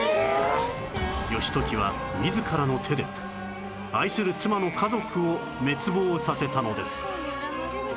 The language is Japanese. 義時は自らの手で愛する妻の家族を滅亡させたのです